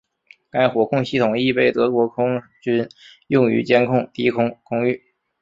该火控系统亦被德国空军用于监控低空空域。